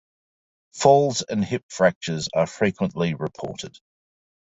Falls and hip fractures are frequently reported.